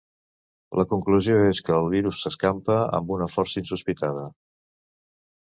La conclusió és que el virus s'escampa amb una força insospitada.